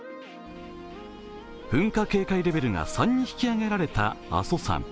噴火警戒レベルが３に引き上げられた阿蘇山。